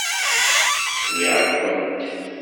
Sliɣ-akent.